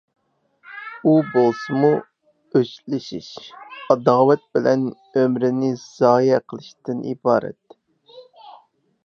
ئۇ بولسىمۇ ئۆچلىشىش، ئاداۋەت بىلەن ئۆمرىنى زايە قىلىشتىن ئىبارەت.